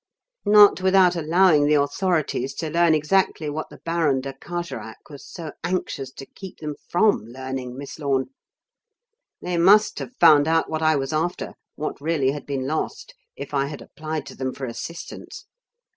"Not without allowing the authorities to learn exactly what the Baron de Carjorac was so anxious to keep them from learning, Miss Lorne. They must have found out what I was after, what really had been lost, if I had applied to them for assistance.